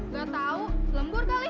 gak tahu lembur kali